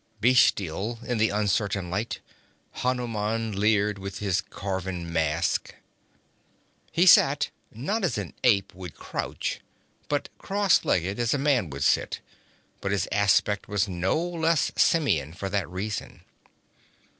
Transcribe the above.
Bestial in the uncertain light Hanuman leered with his carven mask. He sat, not as an ape would crouch, but cross legged as a man would sit, but his aspect was no less simian for that reason.